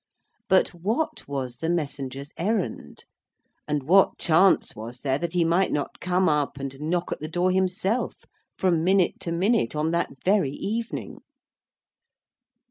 But what was the messenger's errand? and what chance was there that he might not come up and knock at the door himself, from minute to minute, on that very evening?